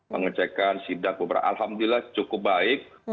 pengecekan sidak beberapa alhamdulillah cukup baik